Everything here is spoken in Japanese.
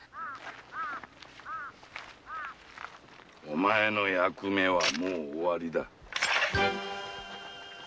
お前の役目はもう終りだ。